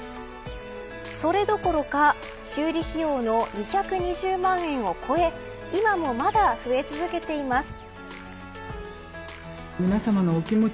それどころか修理費用の２２０万円を超え今もまだ増え続けています。